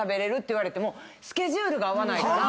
言われてもスケジュールが合わないから。